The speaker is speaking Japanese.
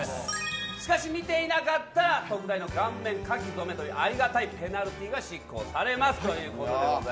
しかし、見ていなかったら特大顔面書き初めというありがたいペナルティーが執行されます。